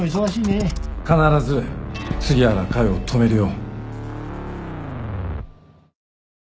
必ず杉原佳代を止めるよ。